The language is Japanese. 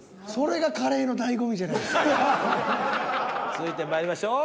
続いてまいりましょう。